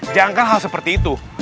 jangka hal seperti itu